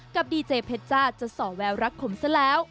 ดีเจเพชจ้าจะส่อแววรักขมซะแล้ว